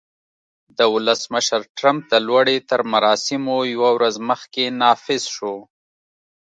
د ولسمشر ټرمپ د لوړې تر مراسمو یوه ورځ مخکې نافذ شو